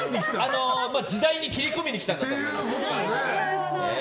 時代に切り込みに来たんだと思います。